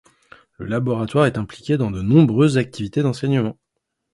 Le laboratoire est impliqué dans de nombreuses activités d’enseignement.